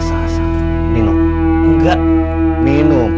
dan adalah mengucapkan penghargaan yang lebih tamam